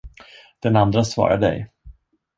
Den andre svarade ej.